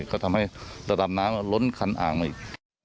ก็ทำให้ตรำน้ำล้นคันอ่างอีก